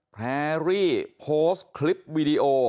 แพรรี่โพสต์คลิปวิดีโอ